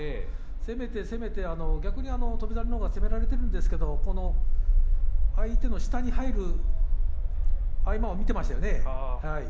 攻めて攻めて逆に翔猿のほうが攻められているんですが相手の下に入る合間を見ていましたね。